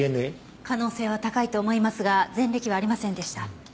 可能性は高いと思いますが前歴はありませんでした。